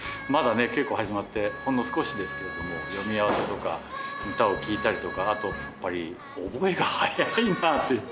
まだ稽古始まってほんの少しですけれども読み合わせとか歌を聴いたりとかあと覚えが早いなって。